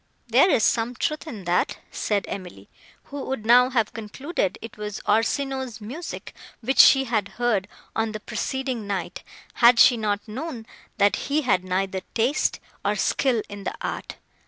"There is some truth in that," said Emily, who would now have concluded it was Orsino's music, which she had heard, on the preceding night, had she not known, that he had neither taste, nor skill in the art.